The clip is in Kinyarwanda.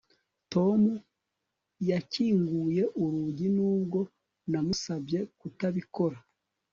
Tom yakinguye urugi nubwo namusabye kutabikora